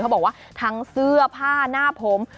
บอกว่าทั้งเสื้อผ้าหน้าผม